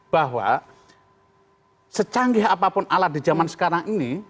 bahwa secanggih apapun alat di zaman sekarang ini